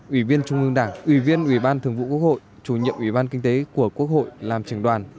ủy viên trung ương đảng ủy viên ủy ban thường vụ quốc hội chủ nhiệm ủy ban kinh tế của quốc hội làm trường đoàn